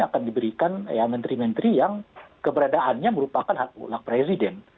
akan diberikan menteri menteri yang keberadaannya merupakan hak presiden